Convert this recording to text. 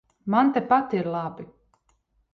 Man tepat ir labi.